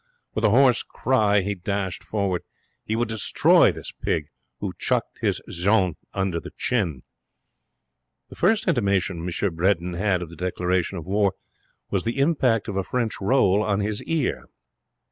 With a hoarse cry he dashed forward. He would destroy this pig who chucked his Jeanne under the chin. The first intimation M. Bredin had of the declaration of war was the impact of a French roll on his ear.